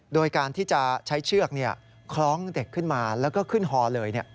โดยการที่จะใช้เชือกคล้องเด็กขึ้นมาแล้วก็ขึ้นฮอเลย